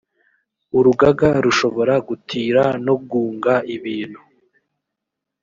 urugaga rushobora gutira no gunga ibintu